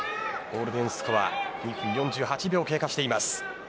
ゴールデンスコア２分４８秒経過しています。